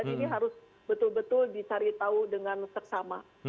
dan ini harus betul betul dicari tahu dengan tersama